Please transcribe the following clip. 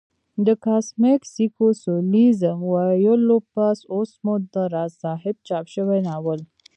د کاسمک سېکسوليزم ويلو پس اوس مو د راز صاحب چاپ شوى ناول